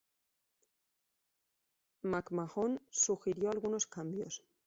McMahon sugirió algunos cambios.